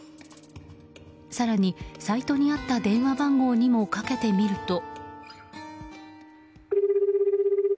更にサイトにあった電話番号にもかけてみると。